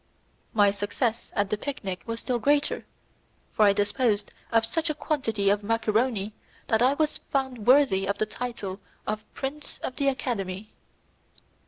My success at the picnic was still greater, for I disposed of such a quantity of macaroni that I was found worthy of the title of prince of the academy.